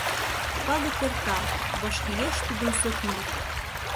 Пагыт эрта — вашлиеш тудым Сотнур